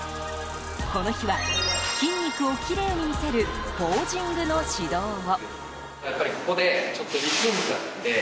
この日は、筋肉をきれいに見せるポージングの指導を。